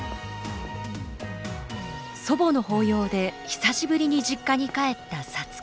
祖母の法要で久しぶりに実家に帰った皐月。